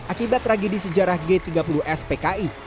akibat tragedi sejarah g tiga puluh s pki